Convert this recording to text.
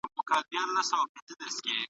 د مور وخت ماشوم ته ارزښت لري.